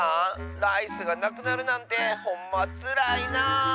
ライスがなくなるなんてほんまつらいなあ。